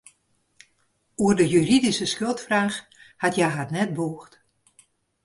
Oer de juridyske skuldfraach hat hja har net bûgd.